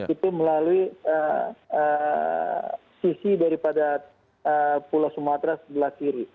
itu melalui sisi daripada pulau sumatera sebelah kiri